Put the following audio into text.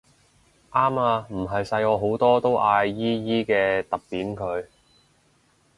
啱啊唔係細我好多都嗌姨姨嘅揼扁佢